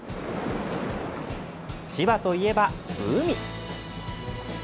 千葉といえば海。